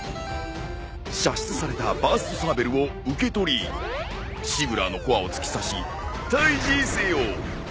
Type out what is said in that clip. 射出されたバーストサーベルを受け取りシブラーのコアを突き刺し退治せよ。